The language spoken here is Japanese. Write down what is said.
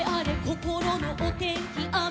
こころのおてんきあめかな？」